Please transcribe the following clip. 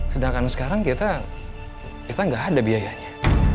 sedangkan sekarang kita kita gak ada biayanya